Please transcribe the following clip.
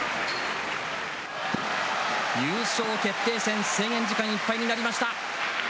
優勝決定戦、制限時間いっぱいになりました。